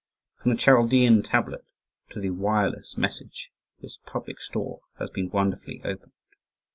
From the Chaldean tablet to the wireless message this public store has been wonderfully opened.